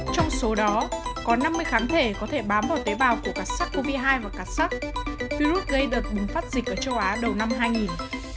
trong số đó có năm mươi kháng thể có thể bám vào tế bào của cả sars cov hai và cả sắc virus gây đợt bùng phát dịch ở châu á đầu năm hai nghìn